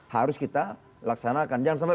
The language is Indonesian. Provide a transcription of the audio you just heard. harus kita laksanakan jangan sampai